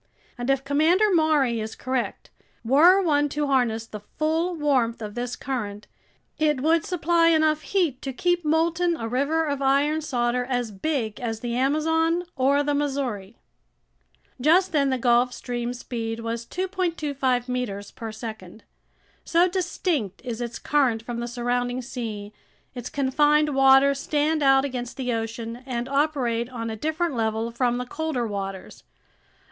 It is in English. And if Commander Maury is correct, were one to harness the full warmth of this current, it would supply enough heat to keep molten a river of iron solder as big as the Amazon or the Missouri." Just then the Gulf Stream's speed was 2.25 meters per second. So distinct is its current from the surrounding sea, its confined waters stand out against the ocean and operate on a different level from the colder waters.